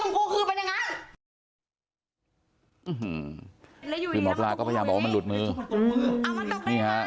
คุณปุ้ยอายุ๓๒นางความร้องไห้พูดคนเดี๋ยว